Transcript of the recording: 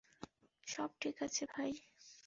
সব ঠিক আছে ভাই।